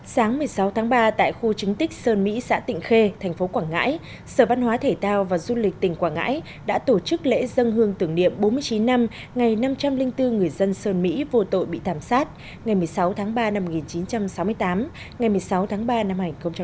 sáng một mươi sáu tháng ba tại khu chứng tích sơn mỹ xã tịnh khê tp quảng ngãi sở văn hóa thể thao và du lịch tỉnh quảng ngãi đã tổ chức lễ dân hương tưởng niệm bốn mươi chín năm ngày năm trăm linh bốn người dân sơn mỹ vô tội bị thảm sát ngày một mươi sáu tháng ba năm một nghìn chín trăm sáu mươi tám ngày một mươi sáu tháng ba năm hai nghìn một mươi chín